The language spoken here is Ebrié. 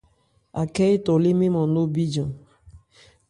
Àkhɛ́ étɔ lé mɛ́n nman nó bíjan.